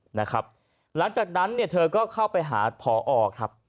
หลังจากนั้นเนี่ยเธอก็เข้าไปหาพอครับ